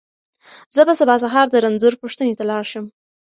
زه به سبا سهار د رنځور پوښتنې ته لاړ شم.